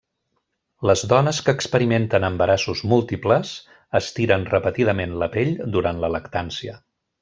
Les dones que experimenten embarassos múltiples estiren repetidament la pell durant la lactància.